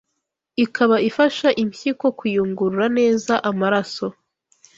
ikaba ifasha impyiko kuyungurura neza amaraso